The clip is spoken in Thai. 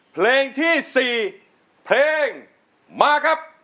เพลงที่๔เพลงมาครับ